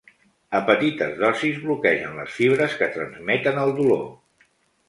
A petites dosis bloquegen les fibres que transmeten el dolor.